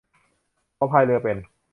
เขาพายเรือเป็น